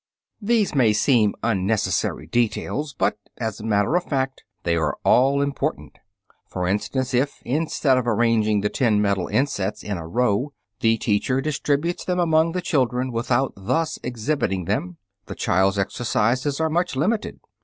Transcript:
These may seem unnecessary details, but, as a matter of fact, they are all important. For instance, if, instead of arranging the ten metal insets in a row, the teacher distributes them among the children without thus exhibiting them, the child's exercises are much limited.